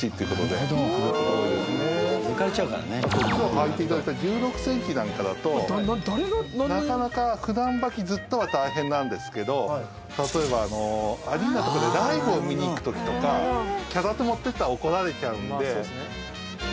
あと今日履いて頂いた１６センチなんかだとなかなか普段履きずっとは大変なんですけど例えばアリーナとかでライブを見に行く時とか脚立持っていったら怒られちゃうんで。